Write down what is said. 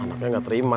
anaknya gak terima